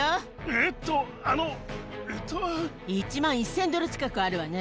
えーと、あの、１万１０００ドル近くあるわね。